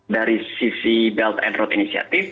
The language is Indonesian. dari sisi belt and road initiative